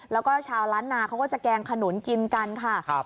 แล้วก็ชาวล้านนาเขาก็จะแกงขนุนกินกันค่ะ